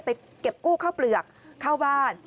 เก็บกู้ข้าวเปลือกเข้าบ้าน